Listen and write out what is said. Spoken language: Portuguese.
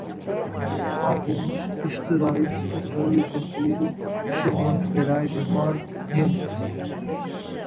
alguns, esteróides, apoio, vampiro, fechamento, garagem, morte, entre